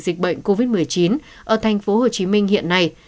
dịch bệnh covid một mươi chín ở tp hcm hiện nay